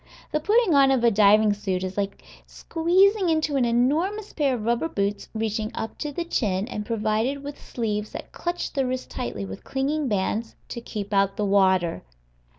The putting on a diving suit is like squeezing into an enormous pair of rubber boots reaching up to the chin, and provided with sleeves that clutch the wrists tightly with clinging bands, to keep out the water.